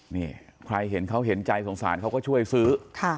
นี่ใครเห็นเขาเห็นใจสงสารเขาก็ช่วยซื้อ